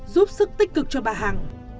giúp sức tích cực cho bà hằng